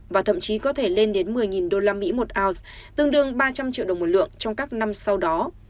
và thậm chí có thể lên đến một mươi usd một ounce tương đương ba trăm linh triệu đồng một lượng trong các năm sau đó